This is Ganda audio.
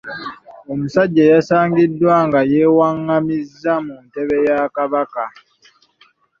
Omusajja yasangiddwa nga yewaղղamiza mu ntebe ya Kabaka.